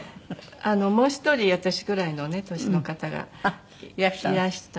もう１人私ぐらいのね年の方がいらしたんですよね。